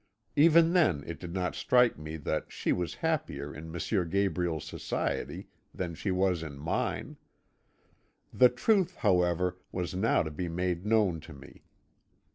Even then it did not strike me that she was happier in M. Gabriel's society than she was in mine. The truth, however, was now to be made known to me.